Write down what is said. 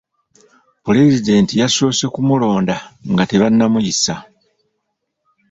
Pulezidenti yasoose ku mulonda nga tebannamuyisa.